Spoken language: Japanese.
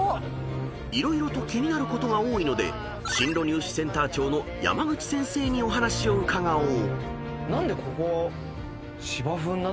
［色々と気になることが多いので進路入試センター長の山口先生にお話を伺おう］